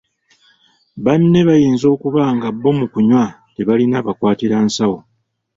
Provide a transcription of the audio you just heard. Banne bayinza okuba nga bo mu kunywa tebalina abakwatira nsawo.